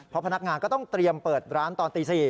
เพราะพนักงานก็ต้องเตรียมเปิดร้านตอนตี๔